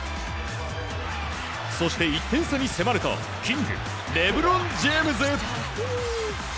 そして、１点差に迫るとキング、レブロン・ジェームズ！